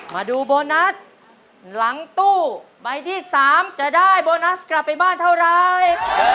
มาดูโบนัสหลังตู้ใบที่๓จะได้โบนัสกลับไปบ้านเท่าไร